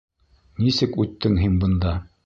Нисек үттең һин бында?